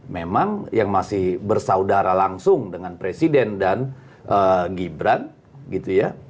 memang yang masih bersaudara langsung dengan presiden dan gibran gitu ya